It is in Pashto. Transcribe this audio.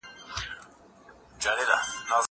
زه به کتابتوني کار کړي وي؟